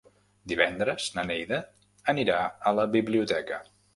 Divendres na Neida anirà a la biblioteca.